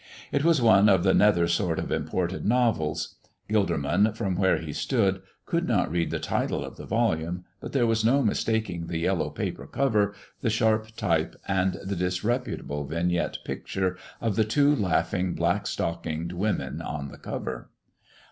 It was one of the nether sort of imported novels. Gilderman, from where he stood, could not read the title of the volume, but there was no mistaking the yellow paper cover, the sharp type, and the disreputable vignette picture of the two laughing, black stockinged women on the cover.